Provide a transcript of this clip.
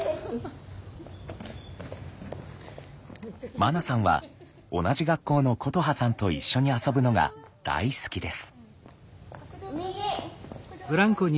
まなさんは同じ学校のことはさんと一緒に遊ぶのが大好きです。